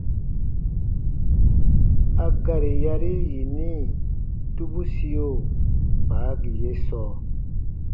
A gari yari yini tubusio faagi ye sɔɔ :